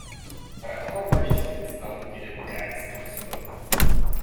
Ратко Младич предстал перед Гаагским судом.